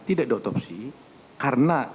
tidak diotopsi karena